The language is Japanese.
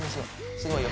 すごいよ。